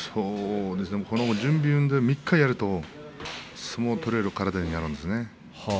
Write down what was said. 準備運動を３日やると相撲が取れる体になるんですね。